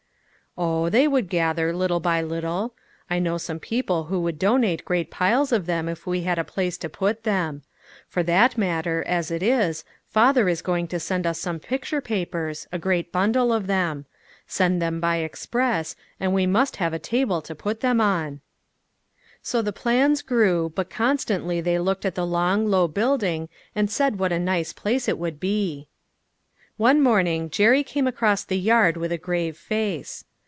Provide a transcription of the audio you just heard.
" Oh ! they would gather, little by little. I know some people who would donate great piles of them if we had a place to put them. 386 LITTLE FISHEES .' AND THEIR NETS. For that matter, as it is, father is going to send us some picture papers, a great bundle of them ; send them by express, and we must have a table to put them on." So the plans grew, but constantly they looked at the long, low building and said what a nice place it would be. One morning Jerry came across the yard with a grave face.